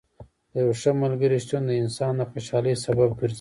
د یو ښه ملګري شتون د انسان د خوشحالۍ سبب ګرځي.